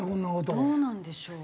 どうなんでしょう？